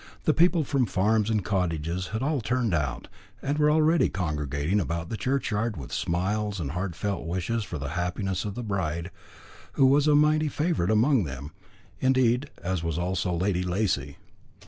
The people from farms and cottages had all turned out, and were already congregating about the churchyard, with smiles and heartfelt wishes for the happiness of the bride, who was a mighty favourite with them, as indeed was also Lady Lacy.